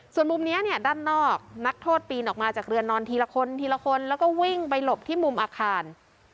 ส่วนมุมนี้เนี่ยด้านนอกนักโทษปีนออกมาจากเรือนนอนทีละคนทีละคนแล้วก็วิ่งไปหลบที่มุมอาคาร